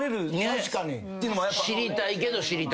知りたいけど知りたくない。